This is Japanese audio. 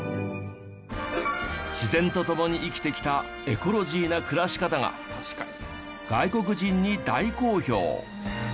自然と共に生きてきたエコロジーな暮らし方が外国人に大好評。